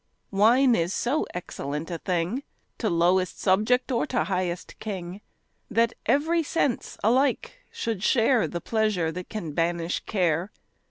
Wine is so excellent a thing To lowest subject, or to highest king, That every sense alike should share The pleasure that can banish care.